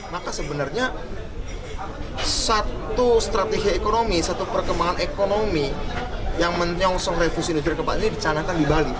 maka sebenarnya satu strategi ekonomi satu perkembangan ekonomi yang menyongsong revolusi industri keempat ini dicanakan di bali